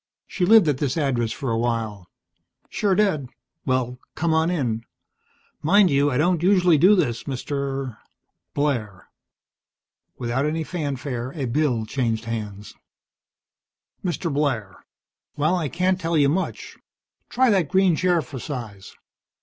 She lived at this address for a while." "Sure did. Well, come on in. Mind you, I don't usually do this, Mr. " "Blair." Without any fanfare a bill changed hands. "Mr. Blair. Well, I can't tell you much. Try that green chair for size.